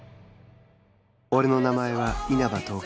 俺の名前は稲葉十吉